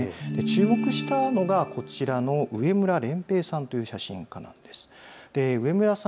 注目したのがこちらの植村漣平さんという写真家なんです。